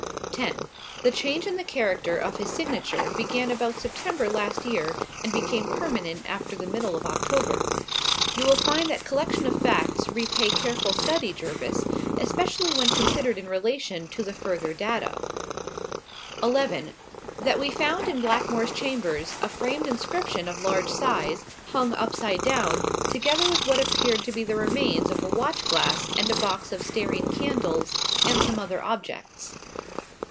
"10. The change in the character of his signature began about September last year and became permanent after the middle of October. "You will find that collection of facts repay careful study, Jervis, especially when considered in relation to the further data: "11. That we found in Blackmore's chambers a framed inscription of large size, hung upside down, together with what appeared to be the remains of a watch glass and a box of stearine candles and some other objects."